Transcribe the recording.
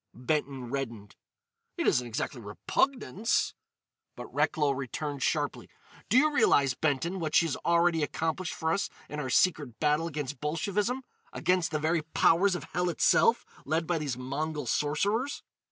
Benton reddened: "It isn't exactly repugnance——" But Recklow interrupted sharply: "Do you realise, Benton, what she's already accomplished for us in our secret battle against Bolshevism?—against the very powers of hell itself, led by these Mongol sorcerers?